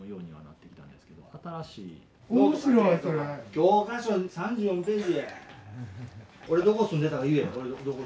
教科書３４ページ。